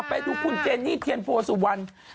ไปดูคุณเจนี่เหญ่โฟสุวัน